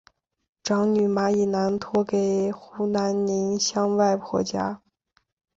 长女马以南托给湖南宁乡外婆家。